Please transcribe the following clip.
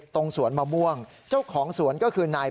พระขู่คนที่เข้าไปคุยกับพระรูปนี้